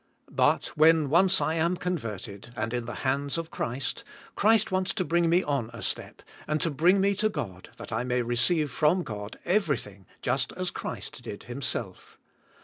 But, when once I am converted and in the hands of Christ, Christ wants to bring* me on a step and to bring me to God that I may re ceive from God everything* just as Christ did Him self.